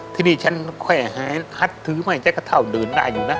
ทีนี้ฉันค่อยหายดถือไหมจะกระเทาเดินได้อยู่นะ